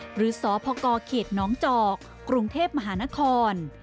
หรือสพกเขตน้องจอกกรุงเทพมหานคร